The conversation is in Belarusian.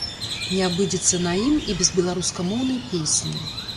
Не абыдзецца на ім і без беларускамоўнай песні.